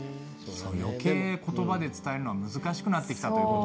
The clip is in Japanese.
余計言葉で伝えるのは難しくなってきたという事だね。